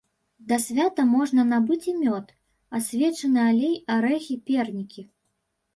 Да свята можна набыць і мёд, асвечаны алей, арэхі, пернікі.